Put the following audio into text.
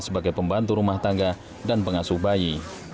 sebagai pembantu rumah tangga dan pengasuh bayi